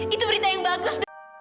itu berita yang bagus